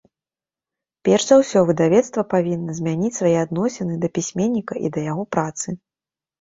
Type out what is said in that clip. Перш за ўсё выдавецтва павінна змяніць свае адносіны да пісьменніка і да яго працы.